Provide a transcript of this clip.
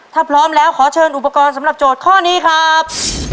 ถ้าพร้อมแล้วขอเชิญอุปกรณ์สำหรับโจทย์ข้อนี้ครับ